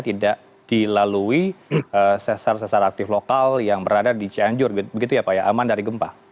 tidak dilalui sesar sesar aktif lokal yang berada di cianjur begitu ya pak ya aman dari gempa